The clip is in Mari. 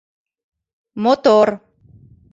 Мотор.